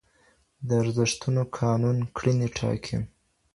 د ارزښتونو قانون کړنې ټاکي.